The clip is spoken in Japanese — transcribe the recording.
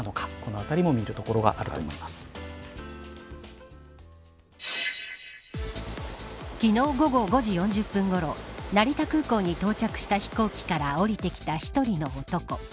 このあたりも見るところが昨日午後５時４０分ごろ成田空港に到着した飛行機から降りてきた１人の男。